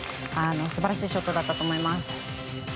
素晴らしいショットだったと思います。